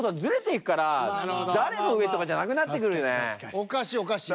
おかしいおかしい。